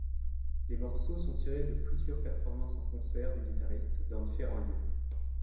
Les morceaux sont tirés de plusieurs performances en concert du guitariste dans différents lieux.